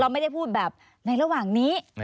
ไม่ได้พูดแบบในระหว่างนี้